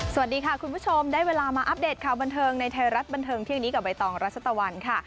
สวัสดีค่ะคุณผู้ชมได้เวลามาอัปเดตข่าวบันเทิงในไทยรัฐบันเทิงเที่ยงนี้กับใบตองรัชตะวันค่ะ